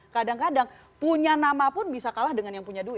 kadang kadang punya nama pun bisa kalah dengan yang punya duit